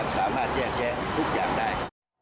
สามารถแยกแยะทุกอย่างได้